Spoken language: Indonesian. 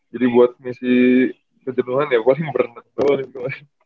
jadi buat misi kejenuhan ya paling berenang soalnya